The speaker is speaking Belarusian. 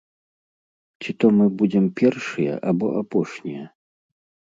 Ці то мы будзем першыя, або апошнія?